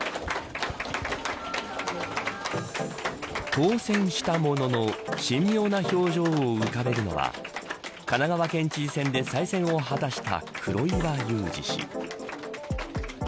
当選したものの神妙な表情を浮かべるのは神奈川県知事選で再選を果たした黒岩祐治氏。